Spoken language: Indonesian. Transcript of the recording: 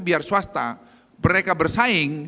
biar swasta mereka bersaing